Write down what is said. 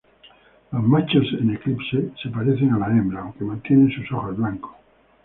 Los machos en eclipse se parecen a las hembras aunque mantienen sus ojos blancos.